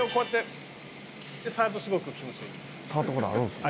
「触った事あるんですか？」